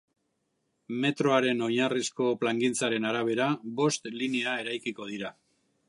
Metroaren oinarrizko plangintzaren arabera, bost linea eraikiko dira.